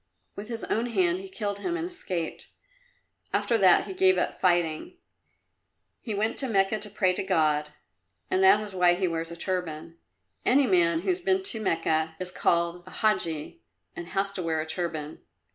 With his own hand he killed him and escaped. After that he gave up fighting. He went to Mecca to pray to God; that is why he wears a turban. Any man who has been to Mecca is called a Hadji and has to wear a turban.